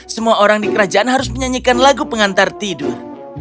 semua orang di kerajaan harus menyanyikan lagu pengantar tidur